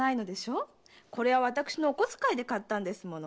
これは私のお小遣いで買ったもの。